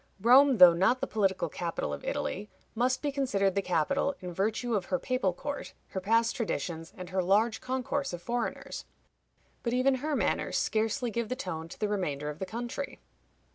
Rome, though not the political capital of Italy, must be considered the capital, in virtue of her papal court, her past traditions, and her large concourse of foreigners. But even her manners scarcely give the tone to the remainder of the country.